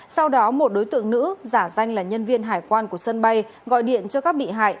sau đó một đối tượng nữ giả danh là nhân viên hải quan của sân bay gọi điện cho các bị hại